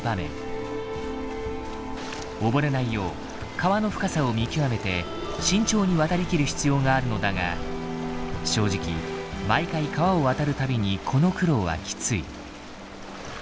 溺れないよう川の深さを見極めて慎重に渡りきる必要があるのだが正直毎回川を渡る度にこの苦労はきつい。